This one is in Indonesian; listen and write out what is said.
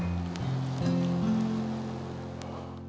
gak ada masalah